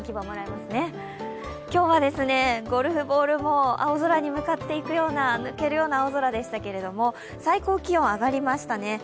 今日はゴルフボールも青空に向かっていくような抜けるような青空でしたが最高気温は上がりましたね。